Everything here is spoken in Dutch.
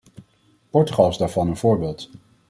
Portugal is daarvan een voorbeeld.